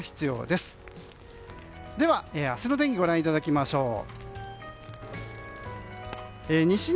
では、明日の天気ご覧いただきましょう。